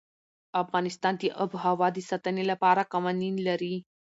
افغانستان د آب وهوا د ساتنې لپاره قوانين لري.